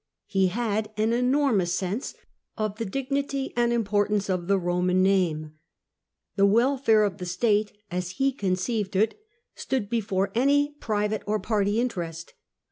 He had an enormous sense of the dignity and importance of the Roman name : the welfare of the state, as he conceived it, stood before any private or party interest.